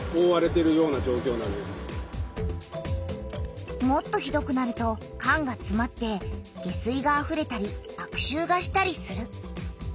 これはもっとひどくなると管がつまって下水があふれたりあくしゅうがしたりする。